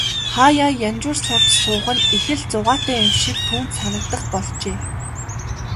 Хааяа янжуур сорж суух нь их л зугаатай юм шиг түүнд санагдах болжээ.